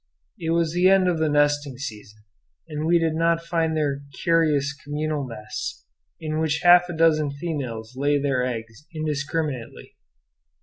It was the end of the nesting season, and we did not find their curious communal nests, in which half a dozen females lay their eggs indiscriminately.